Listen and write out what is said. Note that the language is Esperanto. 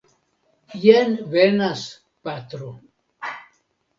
Jen venas patro.